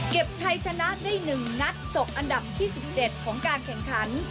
เก็บไทยชนะได้หนึ่งนัดตกอันดับที่๑๗ของการแข่งขัน